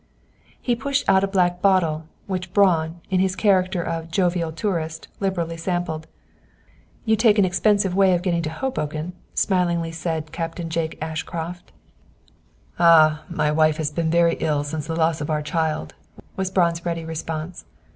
He pushed out a black bottle, which Braun, in his character of "jovial tourist," liberally sampled. "You take an expensive way of getting to Hoboken," smilingly said Captain Jake Ashcroft. "Ah! My wife has been very ill since the loss of our child," was Braun's ready response.